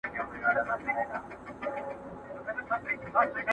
شور به ګډ په شالمار سي د زلمیو،